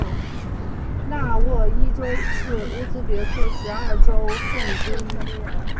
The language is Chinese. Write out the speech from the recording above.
纳沃伊州是乌兹别克十二个州份之一。